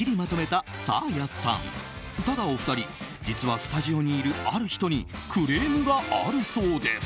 ただお二人実はスタジオにいるある人にクレームがあるそうです。